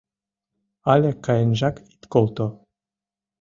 Але каенжак ит колто.